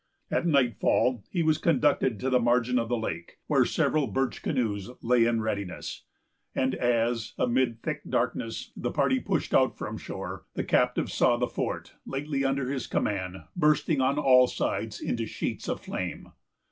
At nightfall, he was conducted to the margin of the lake, where several birch canoes lay in readiness; and as, amid thick darkness, the party pushed out from shore, the captive saw the fort, lately under his command, bursting on all sides into sheets of flame.